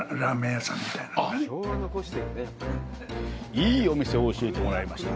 いいお店を教えてもらいました。